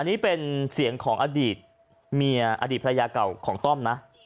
อันนี้เป็นเสียงของอดีตเมียอดีตภรรยาเก่าของต้อมนะ